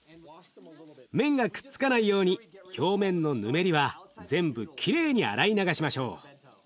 麺がくっつかないように表面のぬめりは全部きれいに洗い流しましょう。